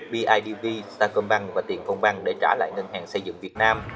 bidv sa công băng và tiền phong băng để trả lại ngân hàng xây dựng việt nam